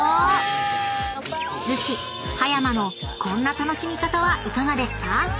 ［逗子・葉山のこんな楽しみ方はいかがですか？］